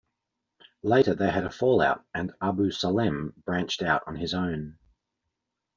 Later they had a fallout and Abu Salem branched out on his own.